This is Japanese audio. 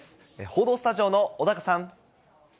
報道スタジオの小高さん。